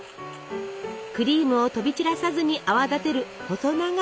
クリームを飛び散らさずに泡立てる細長い容器。